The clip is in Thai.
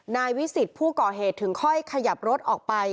นายวิสิทธิ์ผู้ก่อเหตุถึงค่อยขยับรถออกไป